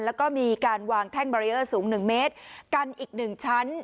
แล้วก็มีการวางแท่งบารีเออร์สูง๑เมตรกันอีกหนึ่งชั้น